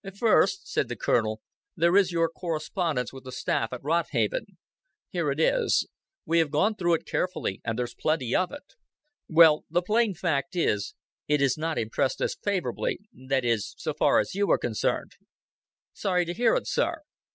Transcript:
"First," said the Colonel, "there is your correspondence with the staff at Rodhaven. Here it is. We have gone through it carefully and there's plenty of it. Well, the plain fact is, it has not impressed us favorably that is, so far as you are concerned." "Sorry to hear it, sir."